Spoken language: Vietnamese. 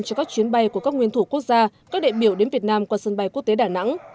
cho các chuyến bay của các nguyên thủ quốc gia các đại biểu đến việt nam qua sân bay quốc tế đà nẵng